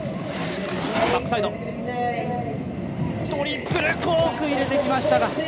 トリプルコーク入れてきましたが。